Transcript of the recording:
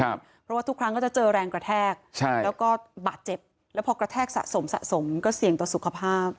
เพราะว่าทุกครั้งก็จะเจอแรงกระแทกแล้วก็บาดเจ็บแล้วพอกระแทกสะสมสะสมก็เสี่ยงต่อสุขภาพ